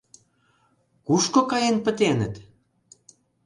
Кушко каен пытеныт?